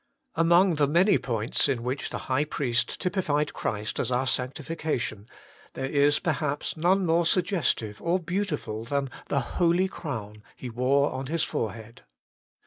Among the many points in which the high priest typified Christ as our sanctification, there is, perhaps, none more suggestive or beautiful than the holy crown he wore on his forehead.